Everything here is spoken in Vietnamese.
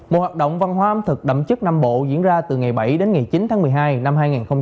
một hoạt động văn hóa ẩm thực đậm chất nam bộ diễn ra từ ngày bảy đến ngày chín tháng một mươi hai năm hai nghìn hai mươi